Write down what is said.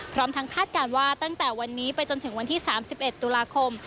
พร้อมทั้งคาดการณ์ว่าตั้งแต่วันนี้ไปจนถึงวันที่๓๑ตุลาคม